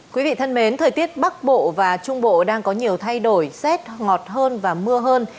quý vị thân mến thời tiết bắc bộ và trung bộ đang có nhiều thay đổi rét ngọt hơn và mưa hơn